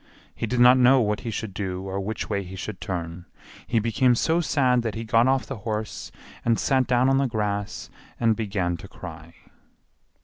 He did not know what he should do or which way he should turn; he became so sad that he got off the horse and sat down on the grass and began to cry.